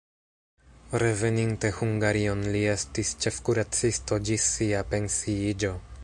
Reveninte Hungarion li estis ĉefkuracisto ĝis sia pensiiĝo.